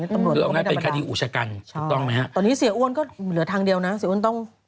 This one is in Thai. ตำรวจก็ไม่ได้ประมาณนั้นใช่ตอนนี้เสียอ้วนก็เหลือทางเดียวนะเสียอ้วนต้อง